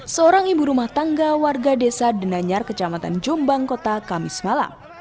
seorang ibu rumah tangga warga desa denanyar kecamatan jombang kota kamis malam